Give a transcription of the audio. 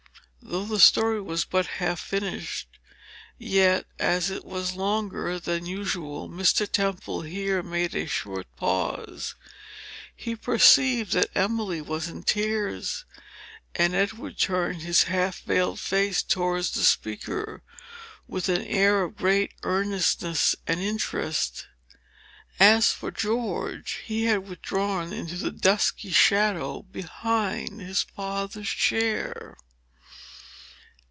Though the story was but half finished, yet, as it was longer than usual, Mr. Temple here made a short pause. He perceived that Emily was in tears, and Edward turned his half veiled face towards the speaker, with an air of great earnestness and interest. As for George he had withdrawn into the dusky shadow behind his father's chair.